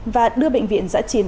và đưa bệnh viện giã chiến